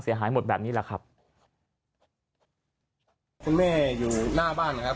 เสียหายหมดแบบนี้แหละครับคุณแม่อยู่หน้าบ้านนะครับ